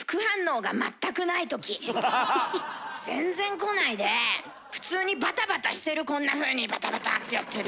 全然こないで普通にバタバタしてるこんなふうにバタバタってやってる。